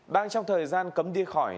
đang trong thời gian cấm đi khỏi